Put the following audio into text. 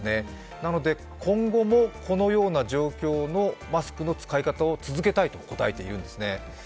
なので、今後もこのような状況のマスクの使い方を続けたいと答えているんですね。